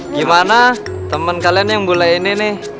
gimana temen kalian yang mulai ini nih